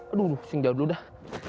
aduh sing jauh dulu dah